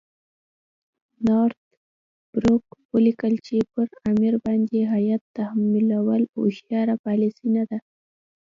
نارت بروک ولیکل چې پر امیر باندې هیات تحمیلول هوښیاره پالیسي نه ده.